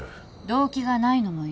動機がないのもいる。